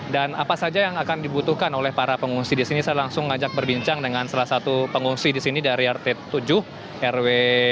dan apa saja yang akan dibutuhkan oleh para pengungsi di sini saya langsung ngajak berbincang dengan salah satu pengungsi di sini dari rt tujuh rw tujuh